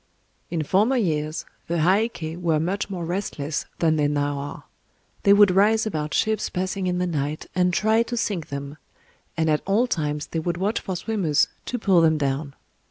In former years the Heiké were much more restless than they now are. They would rise about ships passing in the night, and try to sink them; and at all times they would watch for swimmers, to pull them down.